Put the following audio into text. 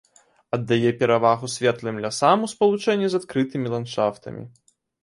Аддае перавагу светлым лясам у спалучэнні з адкрытымі ландшафтамі.